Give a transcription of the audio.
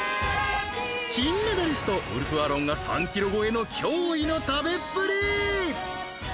金メダリストウルフアロンが３キロ超えの驚異の食べっぷり！